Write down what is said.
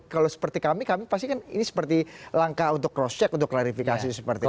kalau seperti kami kami pastikan ini seperti langkah untuk cross check untuk klarifikasi seperti itu